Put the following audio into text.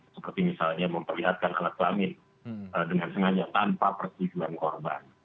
seperti misalnya memperlihatkan anak lamit dengan sengaja tanpa persiduhan korban